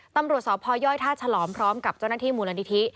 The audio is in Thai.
ตำรวจสพยท่าฉลอมพร้อมกับเจ้าหน้าที่มูลนิธิ